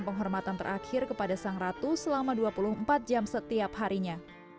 dan penghormatan terakhir kepada sang ratu selama dua puluh empat jam setiap harinya